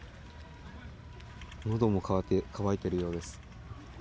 のども乾いているようです。